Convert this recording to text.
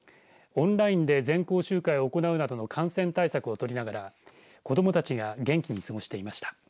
オンラインで全校集会を行うなどの感染対策をとりながら子どもたちが元気に過ごしていました。